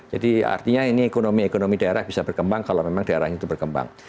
jadi artinya ini ekonomi ekonomi daerah bisa berkembang kalau memang daerah itu berkembang